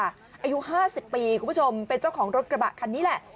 อายุ๕๐ปีคุณผู้ชมเป็นเจ้าของรถกระบะคันนี้แหละ